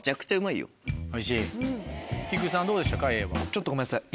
ちょっとごめんなさい